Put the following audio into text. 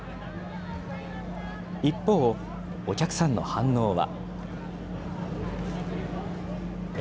一方、お客さんの反応は。